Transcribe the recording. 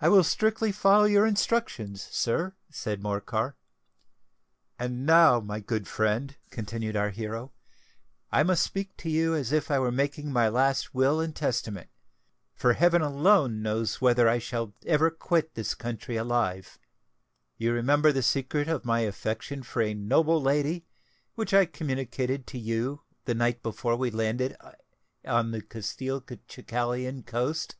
"I will strictly follow your instructions, sir," said Morcar. "And now, my good friend," continued our hero, "I must speak to you as if I were making my last will and testament; for heaven alone knows whether I shall ever quit this country alive. You remember the secret of my affection for a noble lady, which I communicated to you the night before we landed on the Castelcicalan coast?"